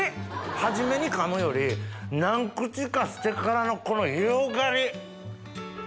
初めに噛むより何口かしてからのこの広がり。